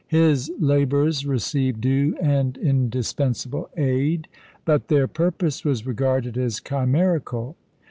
His labours received due and indispensable aid; but their purpose was regarded as chimerical.